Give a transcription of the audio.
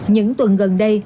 những tuần gần đây